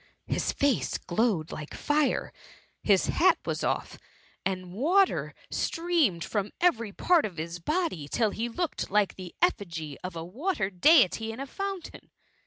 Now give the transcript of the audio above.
His face glowed like fire ; 184 THK MUMMY. his hat was off, and water streamed from every part of his body till he looked like the effigy of a water deity in a fountain.